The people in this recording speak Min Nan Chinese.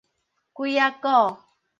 鬼仔古